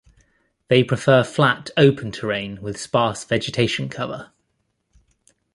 They prefer flat, open terrain, with sparse vegetation cover.